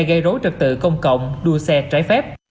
gây rối trật tự công cộng đua xe trái phép